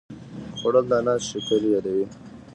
خوړل د الله شکر یادوي